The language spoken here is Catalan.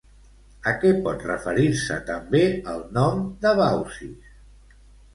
A què pot referir-se també el nom de Baucis?